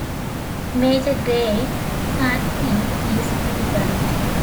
Major Grey's Chutney is typical.